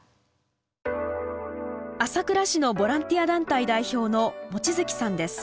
朝倉市のボランティア団体代表の望月さんです。